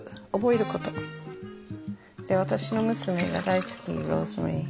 で私の娘が大好きローズマリー。